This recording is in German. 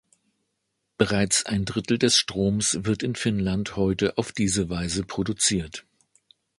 Bereits ein Drittel des Stroms wird in Finnland heute auf diese Weise produziert.